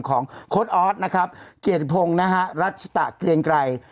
โค้ดออสนะครับเกียรติพงศ์นะฮะรัชตะเกรียงไกร